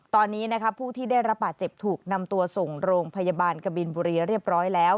ตอนนี้นะคะผู้ที่ได้รับบาดเจ็บถูกนำตัวส่งโรงพยาบาลกบินบุรีเรียบร้อยแล้ว